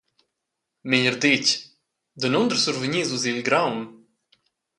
Meglier detg, danunder survegnis vus il graun?